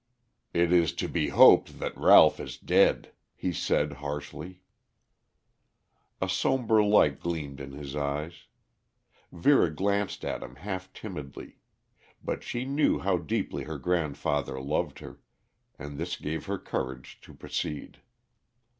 "It is to be hoped that Ralph is dead," he said harshly. A somber light gleamed in his eyes. Vera glanced at him half timidly. But she knew how deeply her grandfather loved her, and this gave her courage to proceed.